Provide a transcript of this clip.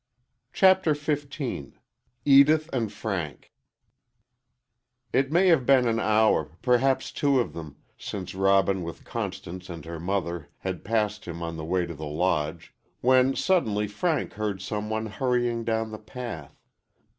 CHAPTER XV EDITH AND FRANK It may have been an hour perhaps two of them since Robin with Constance and her mother had passed him on the way to the Lodge, when suddenly Frank heard some one hurrying down the path.